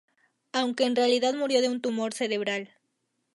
Aunque en realidad murió de un tumor cerebral.